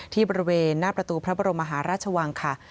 บริเวณหน้าประตูพระบรมมหาราชวังค่ะ